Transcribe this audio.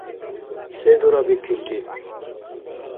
Се дурабикилри?